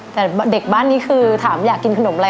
แต่เด็กบ้านนี้คือถามอยากกินขนมอะไร